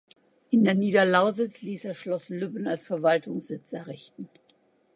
In der Niederlausitz ließ er Schloss Lübben als Verwaltungssitz errichten.